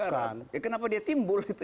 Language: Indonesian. kenapa dia timbul itu